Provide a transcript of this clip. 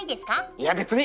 いや別に。